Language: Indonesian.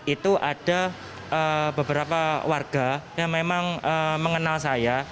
itu ada beberapa warga yang memang mengenal saya